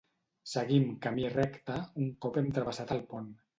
Seguim camí recte un cop hem travessat el pont.